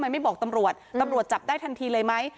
ไม่บอกตำรวจตำรวจจับได้ทันทีเลยไหม